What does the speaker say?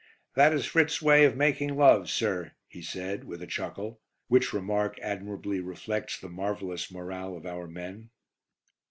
"That is Fritz's way of making love, sir," he said, with a chuckle; which remark admirably reflects the marvellous morale of our men.